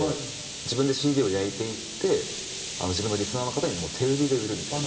自分でＣＤを焼いていって自分のリスナーの方にもう手売りで売るみたいな。